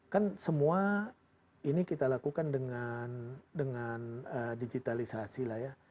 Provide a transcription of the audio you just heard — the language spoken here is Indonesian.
kan semua ini kita lakukan dengan digitalisasi lah ya